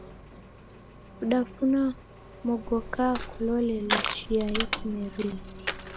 Kudafuna mogoka kulolelo chia yekumeria.